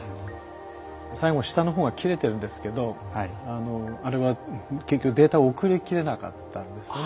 最後下の方が切れてるんですけどあれは結局データを送りきれなかったんですね。